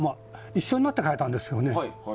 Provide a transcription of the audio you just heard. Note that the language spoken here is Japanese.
一緒になって書いたんですよね。